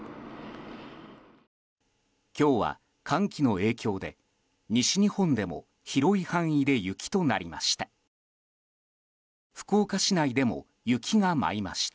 今日は寒気の影響で西日本でも広い範囲で雪となりました。